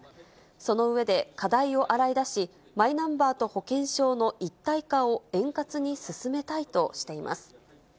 その上で、課題をあらいだし、マイナンバーと保険証の一体化を円滑に進めたいとしています。